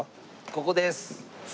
ここです。